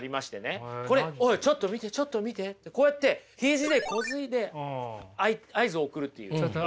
これ「おいちょっと見てちょっと見て」ってこうやってヒジでこづいて合図を送るっていう。